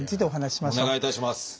お願いいたします。